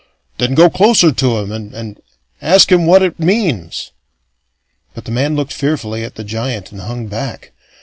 Then go closer to him, and and ask him what it means." But the man looked fearfully at the giant and hung back.